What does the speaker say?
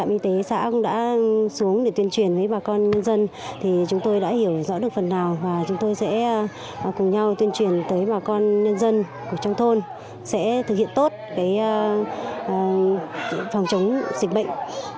y tế xã cũng đã xuống để tuyên truyền với bà con nhân dân thì chúng tôi đã hiểu rõ được phần nào và chúng tôi sẽ cùng nhau tuyên truyền tới bà con nhân dân trong thôn sẽ thực hiện tốt phòng chống dịch bệnh